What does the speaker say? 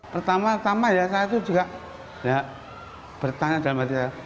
pertama tama ya saya itu juga tidak bertanya dalam hati saya